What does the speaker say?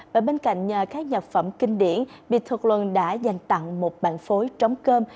và bên cạnh các nhạc phẩm kinh điển peter lund đã dành tặng một bản phối trống cơm